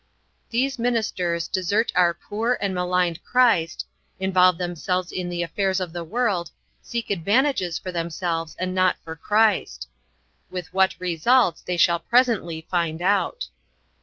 These ministers desert our poor and maligned Christ, involve themselves in the affairs of the world, seek advantages for themselves and not for Christ. With what results they shall presently find out.